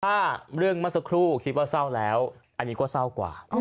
ถ้าเรื่องเมื่อสักครู่คิดว่าเศร้าแล้วอันนี้ก็เศร้ากว่า